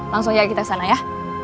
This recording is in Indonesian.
langsung yakin kita kesana ya